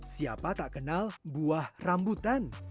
siapa tak kenal buah rambutan